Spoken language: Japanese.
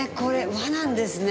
和なんですね。